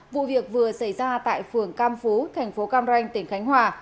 vụ việc vừa xảy ra tại phường cam phú thành phố cam ranh tỉnh khánh hòa